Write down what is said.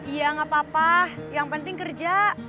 iya nggak apa apa yang penting kerja